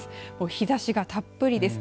日ざしがたっぷりです。